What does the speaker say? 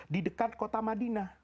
di dekat kota madinah